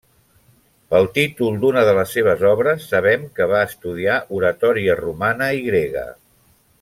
Pel títol d'una de les seves obres sabem que va estudiar oratòria romana i grega.